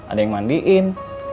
ada yang mandiin